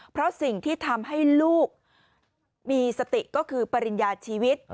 เพราะสิ่งที่ทำให้ลูกมีสติก็คือปริญญาชีวิต